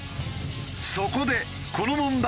そこでこの問題